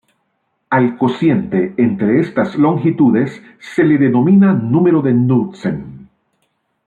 Al cociente entre estas longitudes se le denomina número de Knudsen.